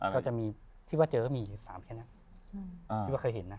ก็จะมีที่ว่าเจอก็มี๓แค่นั้นที่ว่าเคยเห็นนะ